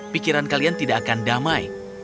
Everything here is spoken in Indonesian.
pikiran kalian tidak akan damai